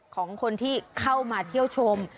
ของคนที่เข้ามาเที่ยวชม